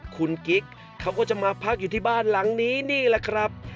คุณกิ๊กเขาก็จะมาพักอยู่ที่บ้านหลังนี้นี่แหละครับ